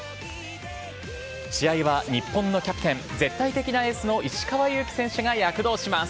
試合は日本のキャプテン、絶対的なエースの石川祐希選手が躍動します。